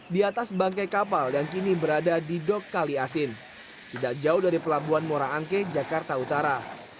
di atas bangkai kapal yang kini berada di dok kali asin tidak jauh dari pelabuhan muara angke jakarta utara